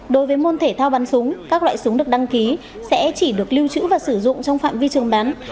đối với môn thể thao bắn súng các loại súng được đăng ký sẽ chỉ được lưu trữ và sử dụng trong phạm vi trường bắn